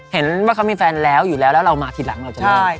เห็นว่าเขามีแฟนแล้วอยู่แล้วแล้วเรามาทีหลังเราจะเลิก